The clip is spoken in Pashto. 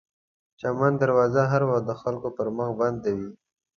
د چمن دروازه هر وخت د خلکو پر مخ بنده وي.